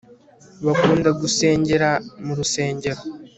bakunda gusengera mu rusengero